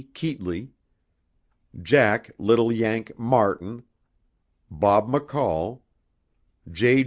Keetley, Jack "Little Yank" Martin, Bob McCall, J.